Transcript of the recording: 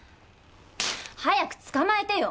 早く捕まえてよ。